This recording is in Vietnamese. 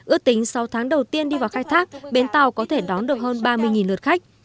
ước tính sau tháng đầu tiên đi vào khai thác bến tàu có thể đón được hơn ba mươi lượt khách